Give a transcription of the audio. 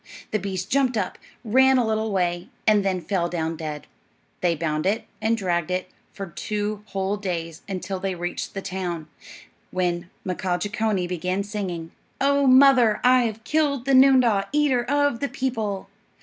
The beast jumped up, ran a little way, and then fell down dead. They bound it, and dragged it for two whole days, until they reached the town, when Mkaaah Jeechonee began singing, "Oh, mother, I have killed The noondah, eater of the people."